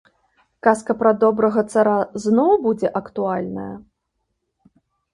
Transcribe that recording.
Казка пра добрага цара зноў будзе актуальная?